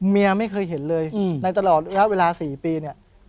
เมียไม่เคยเห็นเลยในตลอดเวลา๔ปี